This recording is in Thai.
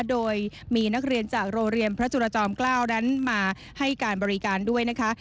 โดยมีนักเรียนจากโรงเรียนพระจุรจอมเกล้านั้นมาให้การบริการด้วยนะคะ